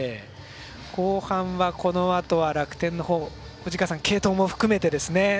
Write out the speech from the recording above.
後半はこのあとは楽天の方継投も含めてですね。